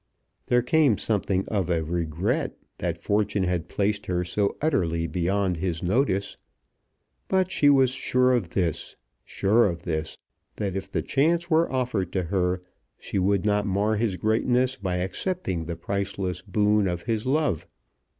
There came something of a regret that fortune had placed her so utterly beyond his notice; but she was sure of this, sure of this, that if the chance were offered to her, she would not mar his greatness by accepting the priceless boon of his love.